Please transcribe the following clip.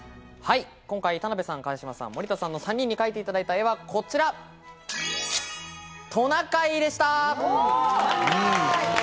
今回田辺さん、茅島さん、森田さんの３人で描いていただいた絵はこちら、トナカイでした。